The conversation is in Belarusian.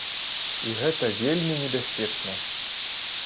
І гэта вельмі небяспечна.